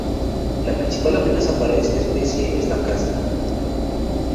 La principal amenaza para esta especie es la caza.